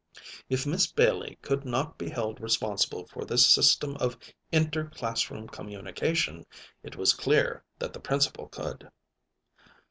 If Miss Bailey could not be held responsible for this system of inter classroom communication, it was clear that the Principal could.